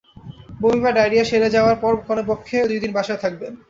বমি বা ডায়রিয়া সেরে যাওয়ার পরে কমপক্ষে দুই দিন বাসায় থাকবেন।